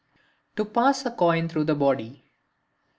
To Pass a Coin Through the Body.